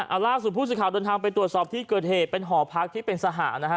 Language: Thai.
เอาล่าสุดผู้สื่อข่าวเดินทางไปตรวจสอบที่เกิดเหตุเป็นหอพักที่เป็นสหนะฮะ